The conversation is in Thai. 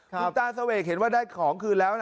คุณตาเสวกเห็นว่าได้ของคืนแล้วนะ